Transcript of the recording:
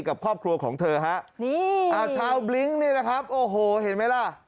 กับครอบครัวของเธอฮะนี่อ่าชาวบลิ้งนี่นะครับโอ้โหเห็นไหมล่ะ